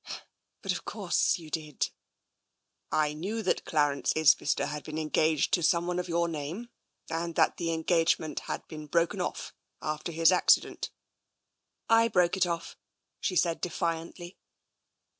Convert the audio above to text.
But of course you did." " I knew that Clarence Isbister had been engaged to someone of your name, and that the engagement had been broken off after his accident.'* " I broke it off," she said defiantly.